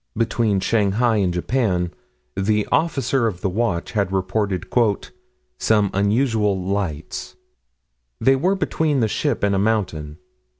between Shanghai and Japan, the officer of the watch had reported "some unusual lights." They were between the ship and a mountain.